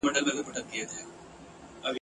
او تیاره ورته د کور وړه دنیا سوه `